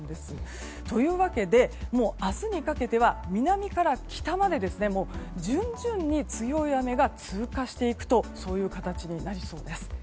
という訳で明日にかけては南から北まで順々に強い雨が通過していく形になりそうです。